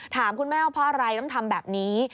ถามคุณแม่ว่าเพราะอะไรต้องทำแบบนี้